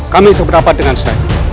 kami seberapa dengan saya